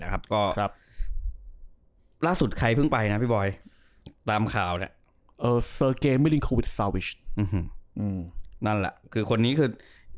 ครับล่าสุดใครเพิ่งไปนะพี่บอยตามข่าวเนี้ยเอ่อนั่นแหละคือคนนี้คือ